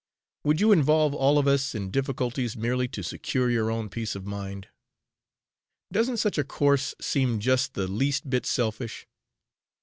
Would you involve all of us in difficulties merely to secure your own peace of mind? Doesn't such a course seem just the least bit selfish?